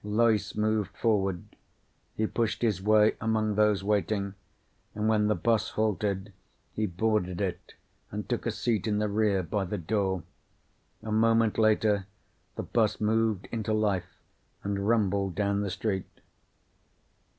Loyce moved forward. He pushed his way among those waiting and when the bus halted he boarded it and took a seat in the rear, by the door. A moment later the bus moved into life and rumbled down the street.